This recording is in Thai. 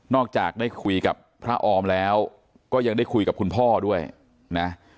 จากได้คุยกับพระออมแล้วก็ยังได้คุยกับคุณพ่อด้วยนะ